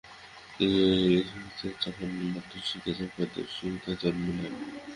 তিনি ঐ লিপিসঙ্কেত তখন মাত্র শিখিয়াছেন, পারদর্শিতা জন্মে নাই।